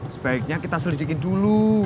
sebaiknya kita selidikin dulu